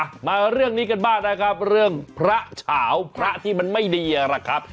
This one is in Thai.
มาเรื่องนี้กันบ้างนะครับเรื่องพระเฉาพระที่มันไม่ดีนะครับ